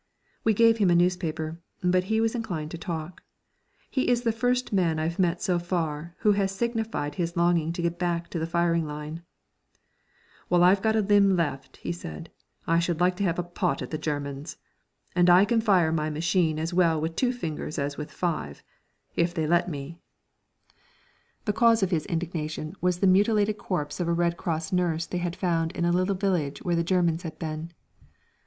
We gave him a newspaper, but he was inclined to talk. He is the first man I've met so far who has signified his longing to get back to the firing line. "While I've a limb left," he said, "I should like to have a pot at the Germans. And I can fire my machine as well with two fingers as with five if they'll let me." [Illustration: AT AN IMPROVISED CASUALTY CLEARING STATION "This is Heaven, Sister!"] The cause of his indignation was the mutilated corpse of a Red Cross nurse they had found in a little village where the Germans had been.